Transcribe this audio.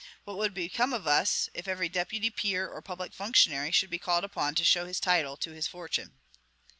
What would become of us, if every deputy, peer, or public functionary should be called upon to show his title to his fortune!